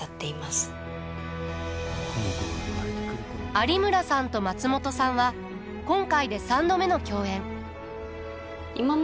有村さんと松本さんは今回で３度目の共演。